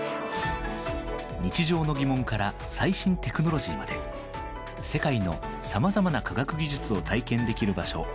日常の疑問から最新テクノロジーまで世界のさまざまな科学技術を体験できる場所